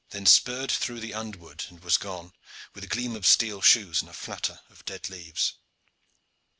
then spurred through the underwood and was gone, with a gleam of steel shoes and flutter of dead leaves.